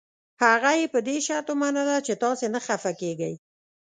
هغه یې په دې شرط ومنله که تاسي نه خفه کېږئ.